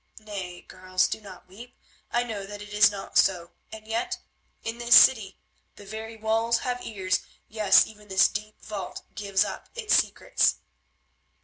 Nay, girls, do not weep, I know that it is not so, and yet, in this city, the very walls have ears, yes, even this deep vault gives up its secrets.